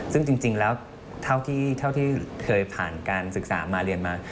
ซึ่งจริงแล้วเท่าที่เคยผ่านการศึกษามาเรียนมา